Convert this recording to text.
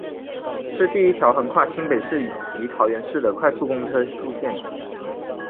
是第一条横跨新北市及桃园市的快速公车路线。